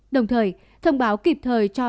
đồng thời thông báo kịp thời cho